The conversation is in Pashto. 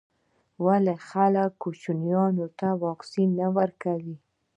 ولي خلګ کوچنیانو ته واکسین نه ورکوي.